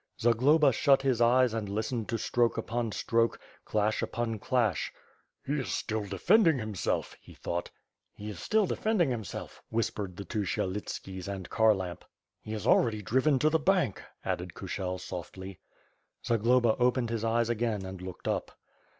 Zagloba shut his eyes and listened to stroke upon stroke, clash upon clash. "He is still defending himself," he thought. "He is still defending himself," whispered the two Syelit skis and Kharlamp. "He is already driven to the bank," added Kushel softly. Zagloba opened his eyes again and looked up.